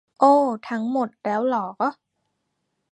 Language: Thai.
โอ้ ทั้งหมดแล้วหรอ